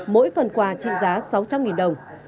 mỗi phần quà trị giá sáu trăm linh đồng